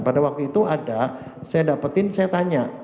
pada waktu itu ada saya dapetin saya tanya